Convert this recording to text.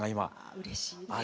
うれしい。